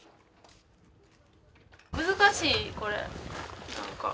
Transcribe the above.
難しいこれ何か。